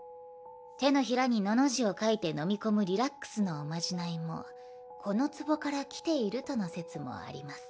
手のひらに「の」の字を書いてのみ込むリラックスのおまじないもこのつぼからきているとの説もあります。